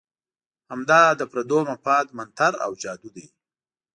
همدا د پردو مفاد منتر او جادو دی.